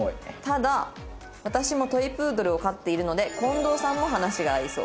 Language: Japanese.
「ただ私もトイプードルを飼っているのでこんどうさんも話が合いそう」。